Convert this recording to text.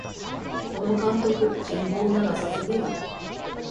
この監督、人望がなさすぎる